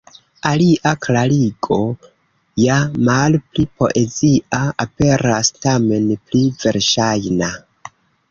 Alia klarigo, ja malpli poezia, aperas tamen pli verŝajna.